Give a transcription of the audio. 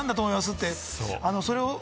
って。